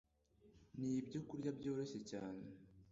Ni byokurya byoroshye cyane,